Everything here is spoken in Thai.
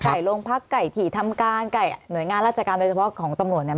ใกล้โรงพักษ์ใกล้ถี่ทำการใกล้หน่วยงานราชกรรมโดยเฉพาะของตำรวจเนี่ย